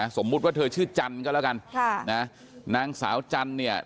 สมมุติว่าเธอชื่อจันก็แล้วกันนางสาวจันเนี่ย